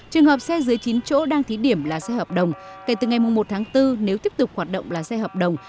trường hợp xe dưới chín chỗ đang thí điểm là xe hợp đồng kể từ ngày một tháng bốn nếu tiếp tục hoạt động là xe hợp đồng